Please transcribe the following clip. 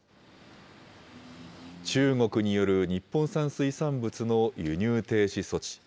中国による日本産水産物の輸入停止措置。